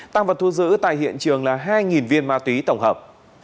tăng vật thu giữ tại hiện trường là hai viên ma túy tổng hợp